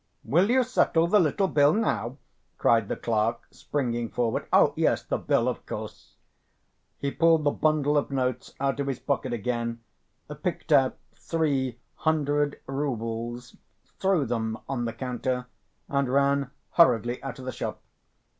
"Will you settle the little bill now?" cried the clerk, springing forward. "Oh, yes, the bill. Of course." He pulled the bundle of notes out of his pocket again, picked out three hundred roubles, threw them on the counter, and ran hurriedly out of the shop.